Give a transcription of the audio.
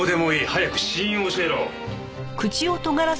早く死因を教えろ。